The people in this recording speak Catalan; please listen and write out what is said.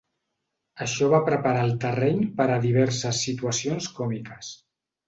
Això va preparar el terreny per a diverses situacions còmiques.